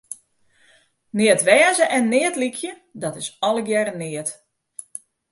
Neat wêze en neat lykje, dat is allegearre neat.